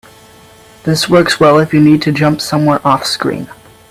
This works well if you need to jump somewhere offscreen.